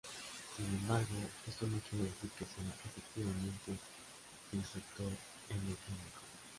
Sin embargo, esto no quiere decir que sea, efectivamente, disruptor endocrino.